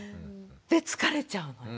で疲れちゃうのよ。